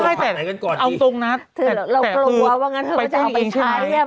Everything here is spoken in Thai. ถ้าให้แต่เอาตรงนะแต่คือไปจ้างเองใช่ไหม